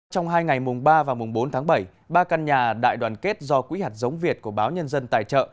trong hai ngày mùng ba và mùng bốn tháng bảy ba căn nhà đại đoàn kết do quỹ hạt giống việt của báo nhân dân tài trợ